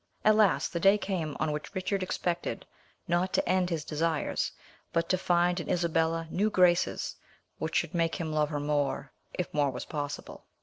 At last the day came on which Richard expected, not to end his desires, but to find in Isabella new graces which should make him love her more, if more was possible.